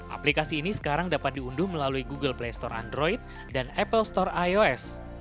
aplikasi ini sekarang dapat diunduh melalui google play store android dan apple store ios